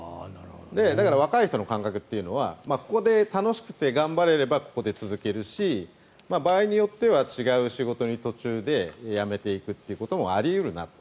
だから若い人の感覚っていうのはここで楽しくて頑張れればここで続けるし場合によっては違う仕事に途中で辞めていくということもあり得るなと。